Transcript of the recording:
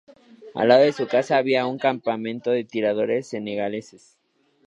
Al lado de su casa había un campamento de tiradores senegaleses.